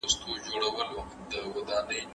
د بېلتون په شپه وتلی مرور جانان به راسي